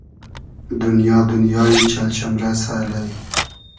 دونیا دونیای چئل چئمرئسۂ الݷ